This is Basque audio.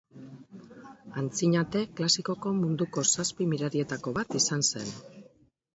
Antzinate klasikoko munduko zazpi mirarietako bat izan zen.